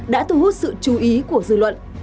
đã thu hút sự chú ý của dư luận